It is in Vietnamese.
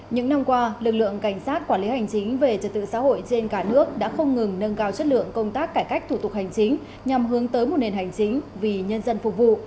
những năm qua lực lượng cảnh sát quản lý hành chính về trật tự xã hội trên cả nước đã không ngừng nâng cao chất lượng công tác cải cách thủ tục hành chính nhằm hướng tới một nền hành chính vì nhân dân phục vụ